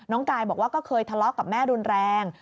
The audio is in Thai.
กายบอกว่าก็เคยทะเลาะกับแม่รุนแรง